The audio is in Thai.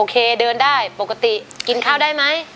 เดินได้ปกติกินข้าวได้ไหม